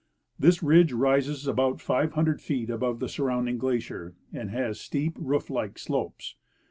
This ridge rises about five hundred feet above the surrounding glacier, and has steep roof like slopes.